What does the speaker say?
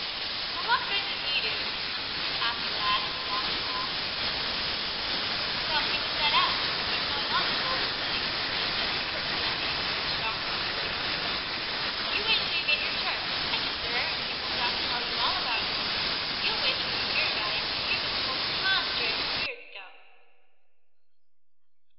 "And what good do He do?" asked a lad with a mocking laugh. "He helps you to set out, and keep on going to the Golden City," said Jill, looking at him with shocked disapproval. "You wait till you get your church, and Mr. Errington comes out to tell you all about it. You'll wish when you hear about it, that you'd been told hundreds of years ago!"